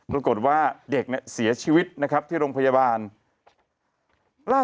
ปรากฏว่าเด็กเนี่ยเสียชีวิตนะครับที่โรงพยาบาล